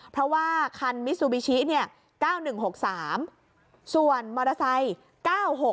เพราะว่าคันมิซูบิชิ๙๑๖๓ส่วนมอเตอร์ไซค์๙๖๑๓